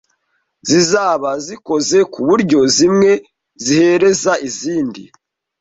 zizaba zikoze ku buryo zimwe zihereza izindi